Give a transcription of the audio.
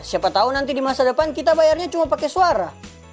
siapa tahu nanti di masa depan kita bayarnya cuma pakai suara